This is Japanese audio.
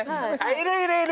いるいるいる！